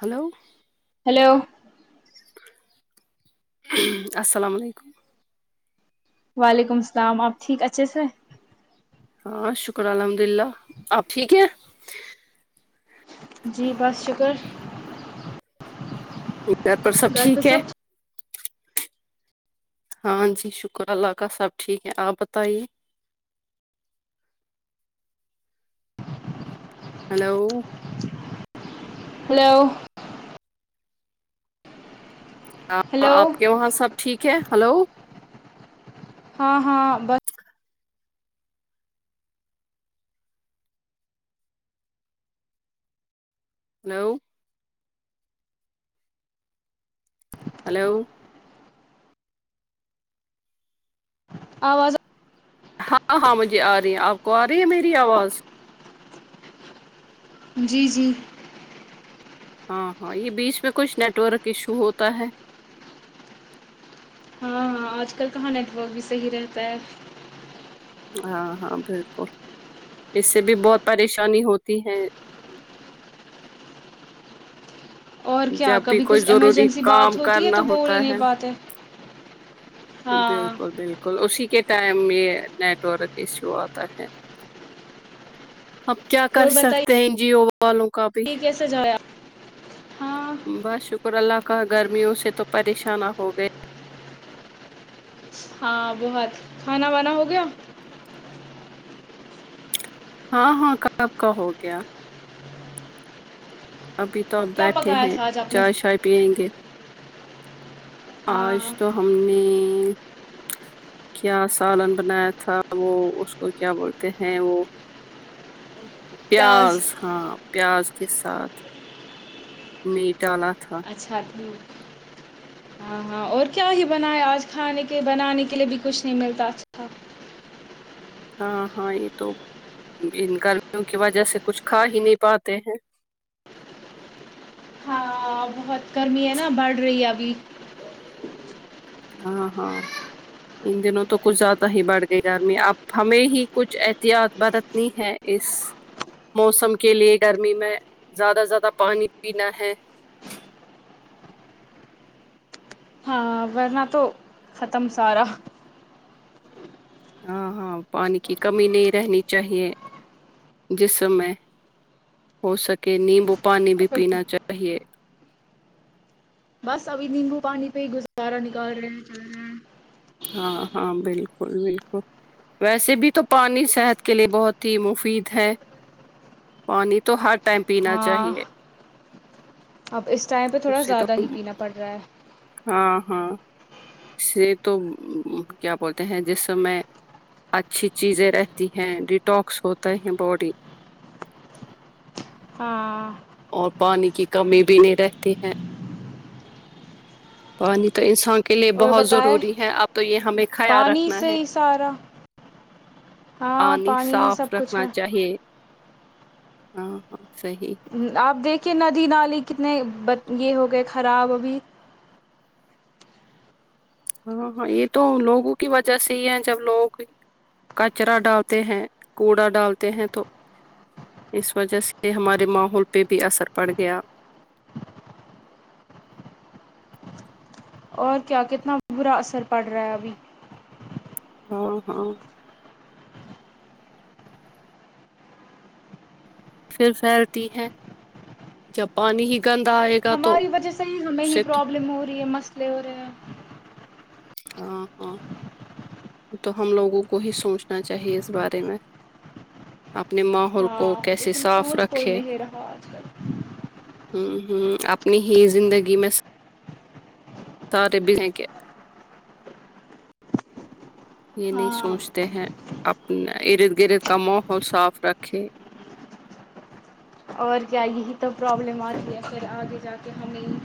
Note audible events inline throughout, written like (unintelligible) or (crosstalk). hello hello السلام علیکم وعلیکم السلام آپ ٹھیک اچھے سے ہے ہاں شکر الحمد للہ آپ ٹھیک ہیں جی بس شکر گھر پر سب پہ ٹھیک ہے سب ہاں جی شکر اللہ کا سب ٹھیک ہے آپ بتائیے ہیلو ہیلو ہیلو آپ کے وہاں سب ٹھیک ہے ہیلو ہاں ہاں بس ہیلو ہیلو آواز ہاں ہاں مجھے آ رہی ہے آپ کو آ رہی ہے میری آواز جی جی ہاں ہاں یہ بیچ میں کچھ نیٹ ورک ایشو ہوتا ہے ہاں ہاں آج کل کہاں نیٹورک بھی صحیح رہتا ہے ہاں ہاں بالکل اس سے بھی بہت پریشانی ہوتی ہے اور کیا جب بھی کبھی کوئی کچھ ضروری ایمرجنسی بات کام ہوتی ہے کرنا تو بول ہوتا ہی نہیں پاتے ہے بالکل بالکل اسی کے ٹائم یہ نیٹ ورک ایشو آتا ہے اب کیا کر اور سکتے بتائیے ہیں ان جیو والوں کا بھی کیسے جایا ہاں بس شکر اللہ کا گرمیوں سے تو پریشان نہ ہو گئے ہاں بہت کھانا وانا ہو گیا ہاں ہاں کب کا ہو گیا ابھی تب کیا بیٹھتے پکایا ہیں تھا آج آپ نے چائے شائے پیںنگے آج ہاں تو ہم نے کیا سالن بنایا تھا وہ اس کو کیا بولتے ہیں وہ پیاز ہاں پیاز کے ساتھ میٹ ڈالاتھا اچھا ٹھیک ہاں ہاں اور کیا ہی بناائے آج کھانے کے بنانے کے لیے بھی کچھ نہیں ملتا اچھا ہاں ہاں یہ تو ان گرمیوں کی وجہ سے کچھ کھا ہی نہیں پاتے ہیں ہاں بہت گرمی ہے نا بڑھ رہی ہے ابھی ہاں ہاں ان دنوں تو کچھ زیادہ ہی بڑھ گئی گرمی اب ہمیں ہی کچھ احتیاط برتنی ہے اس موسم کے لیے گرمی میں زیادہ زیادہ پانی پینا ہے ورنہ تو ختم سارا ہاں ہاں پانی کی کمی نہیں رہنی چاہیے جسم میں ہو سکے نیمبو پانی بھی پینا چاہیے بس ابھی نیمبو پانی پہ ہی گزارا نکال رہے ہیں چل رہے ہیں ہاں ہاں بالکل بالکل ویسے بھی تو پانی صحت کے لیے بہت ہی مفید ہے پانی تو ہر ٹائم پینا ہاں چاہیے اب اس ٹائم پہ تھوڑا اس سے تو زیادہ ہی پینا پڑ رہا ہے ہاں ہاں اسے تو کیا بولتے ہیں جس س میں اچھی چیزیں رہتی ہیں ڈیٹکس ہوتا ہے باڈی ہاں اور پانی کی کمی بھی نہیں رہے ہیں پانی تو انسان کے کے لیے اور بہت بتائے ضروری ہے اب تو یہ ہمیں خیال پانی رکھنا سے ہے ہی سارا ہاں پانی ہی صاف سب کچھ رکھنا ہے چاہیے ہاں ہاں صحیح اپ دیکھیے ندی نالی کتنے یہ ہو گئے خراب ابھی ہاں ہاں یہ تو لوگوں کی وجہ سے ہی ہے جب لوگوں کی کچرا ڈالتے ہیں کوڑا ڈالتے ہیں تو اس وجہ سے ہمارے ماحول پہ بھی اثر پڑ گیا اور کیا کتنا برا اثر پڑ رہا ہے ابھی ہاں ہاں پھر پھیلتی ہے جب پانی ہی گندا ائے گا تو اس سے تو مھووری ہے مست پ اور ہاں ہاں تو ہم لوگوں کو ہی سوچنا چاہیے اس بارے میں اپنے ماحول کو ہاں کیسے لیکن صاف سوچ کوئی رکھے نہیں رہا اج کل ہ ہ اپنی ہی زندگی میں سب یہ نہیں ہاں سوچتے ہیں اپنا ارد گرد کا ماحول صاف رکھے اور کیا یہی تو پرابلم ا رہی ہے پھر اگے جا کے ہمیں ہی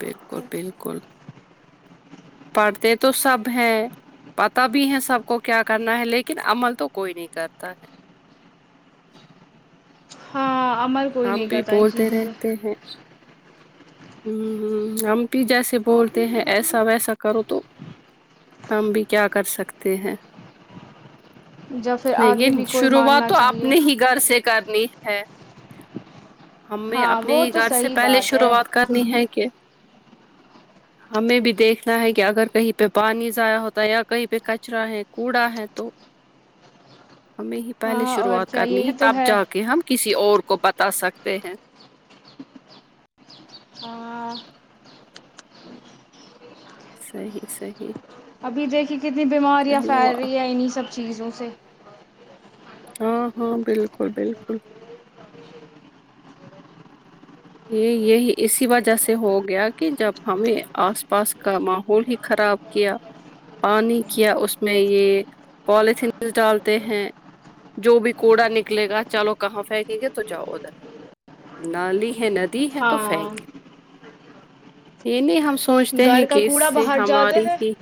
بالکل بالکل پڑھتے تو سب ہے پتا بھی ہے سب کو کیا کرنا ہے لیکن عمل تو کوئی نہیں کرتا ہے ہاں عمل کوئی نہیں کرتا ان چیزوں پہ ہ ہوں ہ ہم بھی جیسے بولتے ہیں ایسا ویسا کرو تو ہم بھی کیا کر سکتے ہیں جب پھر آگے لیکن بھی کوئی شروعات ماننا تو چاہیے اپنے ہی گھر سے کرنی ہے ہمیں ہاں اپنے وہ تو گھر سے صحیح پہلے بات ہے شروعات کرنی ہے کہ ہمیں بھی دیکھنا ہے کہ اگر کہیں پہ پانی ضائع ہوتا ہے یا کہیں پہ کچرا ہے کوڑا ہے تو ہمیں ہی پہلے ہاں اور شروعات کیا کرنی ہے یہی تو تب جا کے ہم کسی اور کو بتا سکتے ہیں ہ صحیح صحیح ابھی دیکھیے کتنی بیماریاں چلو پھیل رہی ہیں انہیں سب چیزوں سے ہاں ہاں بالکل بالکل یہ یہی اسی وجہ سے ہو گیا کہ جب ہمیں اس پاس کا ماحول ہی خراب کیا پانی کیا اس میں یہ پالتھینس ڈالتے ہیں جو بھی کوڑا نکلے گا چلو کہاں پھینکیں گے تو جاو ادھر نالی ندی ہے تو ہاں پھینک نہیں یہ نہیں ہم سب سوچتے ہیں گھر کا کہ اس کوڑا سے باہر جاتے ہماریے ہیں ہی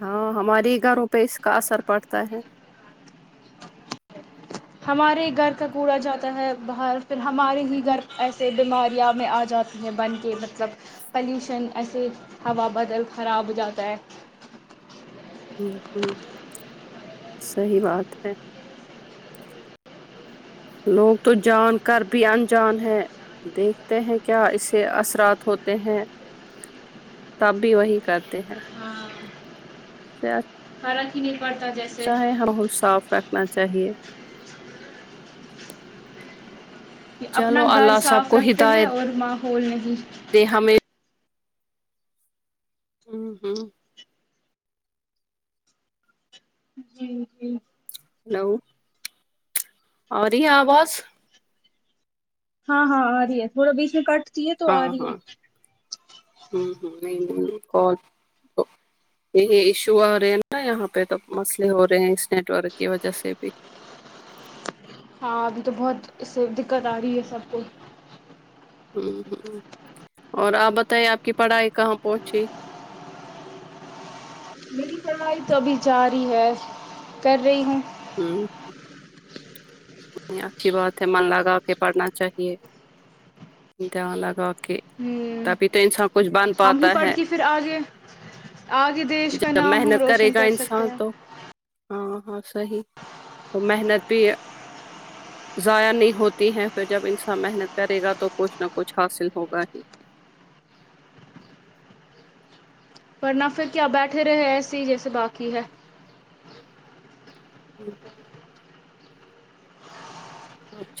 ہاں ہماری گھروں پہ اس کا اثر پڑتا ہے ہمارے ہی گھر کا کوڑا جاتا ہے باہر پھر ہمارے ہی گھر ایسے بیماریاں میں ا جاتا بن کے مطلب پلیوشن ایسے ہوا بدل خراب ہو جاتا ہے بالکل سہی بات ہے لوگ تو جان کر بھی انجان ہے دیکھتے ہیں کیا اسے اثرات ہوتے ہیں تب بھی وہی کرتے ہیں ہاں سے (unintelligible) چاہے ہم کو صاف رکھنا چاہیے کہ اپنا چلو گر اللہ سب صاف رکھتے ہیں اور ماحول نہیں تے ہمیں آمہم جی جی ہیلو آ رہی آواز ہاں ہاں آ رہی ہے تھوڑا بیچ میں کٹ ہاں ہاں ہ ہ نہیں یے ایشو آ رہے ہیں نا یہاں پے تو مسلے ہو رہے ہیں اس نیٹ ورک کی وجہ سے بھی ہاں ابھی تو بہت اس سے دکت آ رہی ہے سب کو آمہم اور آپ بتائیے آپ کی پڑھائی کہاں پہنچی میری پڑھائی تو ابھی جاری ہے پڑری ہوں ہمم اچھی بات ہے من لگا کے پڑھنا چاہیے دھیان لگا کے ہ تبھی تو انسان کچھ بن ہم ہی پاتا پڑھ ہے کے پھر آگے آگے دیش کا جب نام ہم محنت کرے روشن گا کر سکتے انسان ہیں تو ہاں ہاں صحیح تو محنت بھی ضائع نہیں ہوتی ہے فیر جب انسان محنت کرے گا تو کچھ نہ کچھ حاصل ہوگا ہی ورنہ فیر کیا بیٹھے رہے ایسے ہی جیسے باکی ہے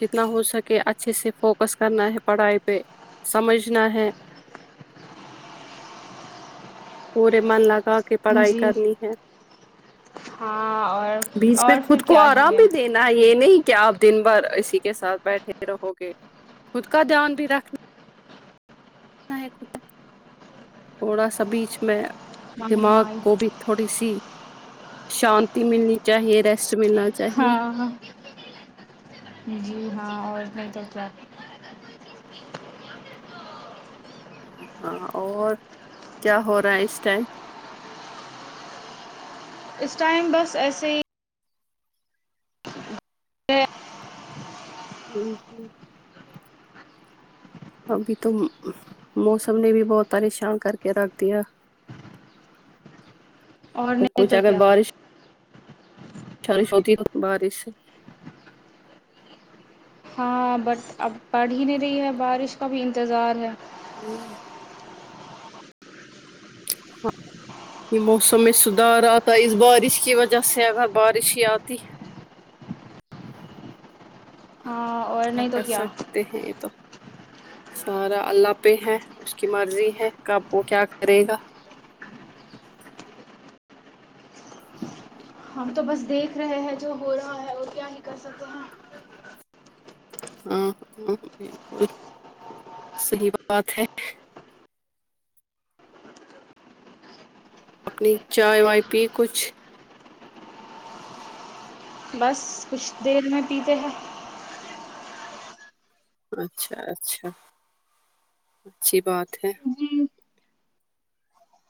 جتنا ہو سکے اچھے سے فوکس کرنا ہے پڑھائی پے سمجھنا ہے پورے من لگا کے پڑھائی جی کرنی ہے ہاں اور بیچ میں اور پھر خود کو کیا ہی آرام ہے بھی دین نا یے نہیں کہ آپ دن بھر اسی کے ساتھ بیٹھے رہو گے خود کا دھیان بھی رکھنا نہیں تھوڑا سا بیچ میں ہاں دماغ ہاں کو بھی تھوڑی سی شانتی ملنی چاہیے رہ ہاں ہاں جی ہاں اور نہیں تو کیا ہاں اور کیا ہو رہا ہے اس ٹائم اس ٹائم بس ایسے ہی (unintelligible) ابھی تو موسم نے بھی بہت پریشان کر کے رکھ دیا اور نہیں تو کیا چالش ہوتی بارش ہاں بٹ اب پڑ ہی نہیں رہی ہے بارش کا بھی انتظار ہے ہمم یے موسم میں سدھار آتا اس بارش کی وجہ سے اگر بارش ہی آتی ہاں اور کیا نہیں تو کر سکتے ہیں یے تو سارا اللہ پے ہے اس کی مرضی ہے کب وہ کیا کرے گا ہم تو بس دیکھ رہے ہیں جو ہو رہا ہے وہ کیا ہی کر سکتے ہیں ہاں ہاں بالکل صحیح بات ہے اپنی چائے وائے پی کچھ بس کچھ دیر میں پیتے ہے اچھا اچھا اچھی بات ہے جی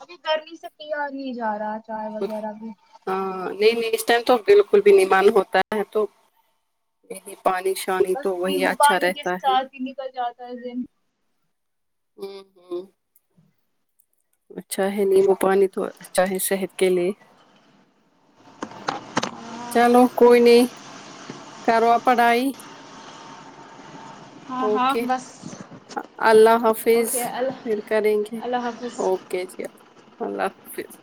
ابھی گرمی سے پیا نہیں جا رہا چائے وغیرہ بھی ہاں نہیں میں اس ٹائم تو بالکل بھی نہیں معلوم ہوتا ہے تو نہیں نہیں پانی شانی بس تو وہی نیمبو اچھا پانی کے رہتا ہے ساتھ نکل جاتا ہے اس دن ہم ہم اچھا ہے نیمبو پانی تو اچھا ہے صحت کے لیے چلو کوئی نہیں کرو پڑھائی ہاں ہاں اوکے بس اللہ حافظ اوکے اللہ پھر کریں گے اللہ حافظ اوک کجیف اللہ حافظ